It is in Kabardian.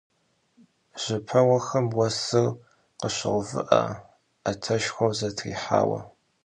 Jıpeuxem vuesır khışouvı'e, 'eteşşxueu zetrihaue.